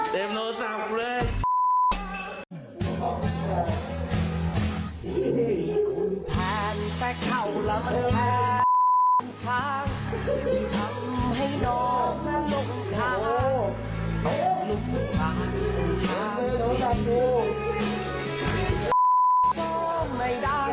เต็มโนตรัพย์แหละ